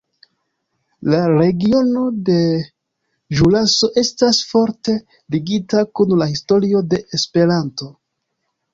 La regiono de Ĵuraso estas forte ligita kun la historio de Esperanto.